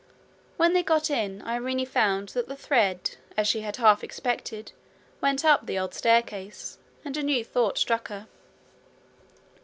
When they got in Irene found that the thread, as she had half expected, went up the old staircase, and a new thought struck her.